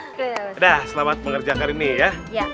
sudah selamat mengerjakan ini ya